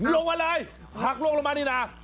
ลงมาลายผลักล่วงลงมานี่น่ะ